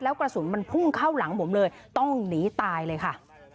กระสุนมันพุ่งเข้าหลังผมเลยต้องหนีตายเลยค่ะ